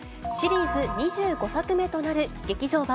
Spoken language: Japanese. シリーズ２５作目となる劇場